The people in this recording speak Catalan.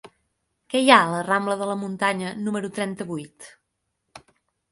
Què hi ha a la rambla de la Muntanya número trenta-vuit?